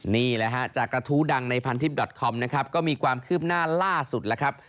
นี่แหละฮะจากกระทู้ดังในพันทิพยอดคอมนะครับก็มีความคืบหน้าล่าสุดแล้วครับ